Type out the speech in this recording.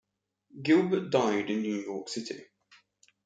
Gilbert died in New York City.